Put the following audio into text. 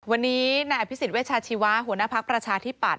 วันนี้นายอภิษฎเวชาชีวะหัวหน้าภักดิ์ประชาธิปัต